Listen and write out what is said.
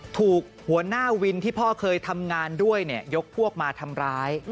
ถูกหัวหน้าวินที่พ่อเคยทำงานด้วยยกพวกมาทำร้าย